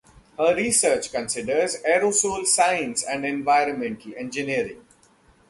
Her research considers aerosol science and environmental engineering.